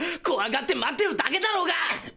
こわがって待ってるだけだろうが。